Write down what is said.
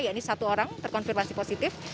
ya ini satu orang terkonfirmasi positif